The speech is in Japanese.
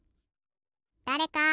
だれか！